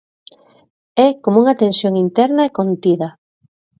É como unha tensión interna e contida.